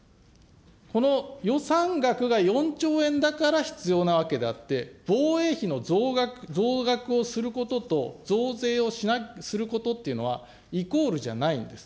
この予算額が４兆円だから必要なわけであって、防衛費の増額をすることと、増税をすることっていうのはイコールじゃないんです。